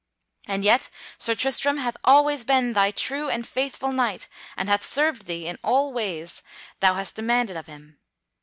And yet Sir Tristram hath always been thy true and faithful knight, and hath served thee in all ways thou hast demanded of him.